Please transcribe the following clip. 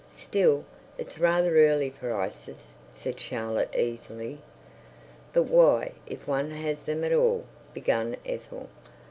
"Still, it's rather early for ices," said Charlotte easily. "But why, if one has them at all...." began Ethel.